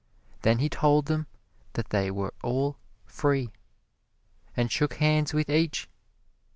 Then he told them that they were all free, and shook hands with each.